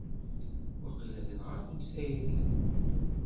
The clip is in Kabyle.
Waqila tenɣa-kent tayri!